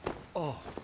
ああ。